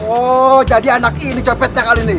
oh jadi anak ini copetnya kali ini